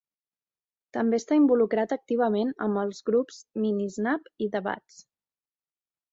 També està involucrat activament amb els grups Minisnap i The Bats.